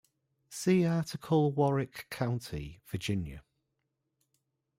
See article Warwick County, Virginia.